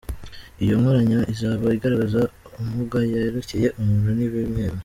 Iyo nkoranya izaba igaragaza amuga yerekeye umuntu n’ibimera.